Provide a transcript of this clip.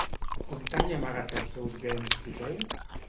On tenia amagats els seus béns Siqueu?